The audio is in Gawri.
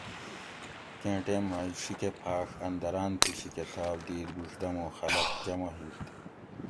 کیں ٹیمہ ائی شِیکہ پھاۤڛ ان دراۤن تھی شیکہ ڷاپ دِیت بِڛدمو خلق جمع ہِیت